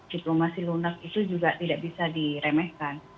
diplomasi lunak itu juga tidak bisa diremehkan